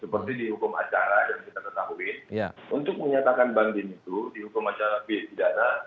seperti di hukum acara yang kita ketahui untuk menyatakan banding itu dihukum acara pidana